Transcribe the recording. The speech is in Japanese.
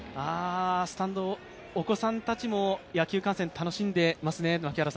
スタンドお子さんたちも野球観戦楽しんでますね。